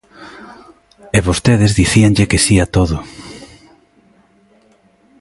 E vostedes dicíanlle que si a todo.